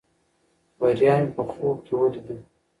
بریا مې په خوب کې ولیده.